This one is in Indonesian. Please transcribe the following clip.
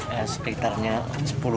ya sekitarnya sepuluh menit